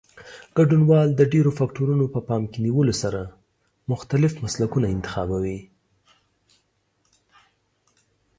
ګډونوال د ډېرو فکټورونو په پام کې نیولو سره مختلف مسلکونه انتخابوي.